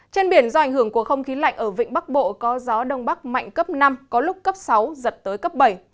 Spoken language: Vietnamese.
trên biển do ảnh hưởng của không khí lạnh ở vịnh bắc bộ có gió đông bắc mạnh cấp năm có lúc cấp sáu giật tới cấp bảy